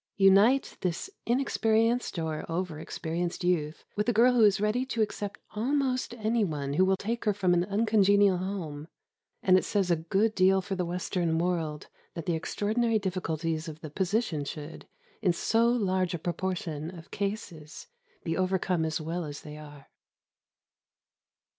Unite this inexperienced, or over experienced, youth with the girl who is ready to accept almost any one who will take her from an uncongenial home, and it says a good deal for the Western world that the extraordinary difficulties of the position should, in so large a proportion of cases, be overcome as well as they are.